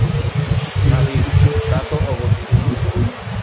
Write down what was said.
আফিফ: তা তো অবশ্যই।